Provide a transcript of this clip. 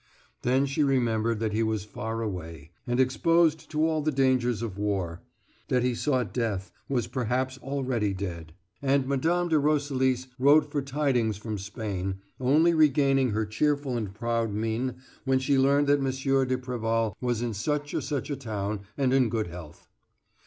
Then she remembered that he was far away, and exposed to all the dangers of war; that he sought death, was perhaps already dead. And Mme. de Roselis wrote for tidings from Spain, only regaining her cheerful and proud mien when she learned that M. de Préval was in such or such a town, and in good health.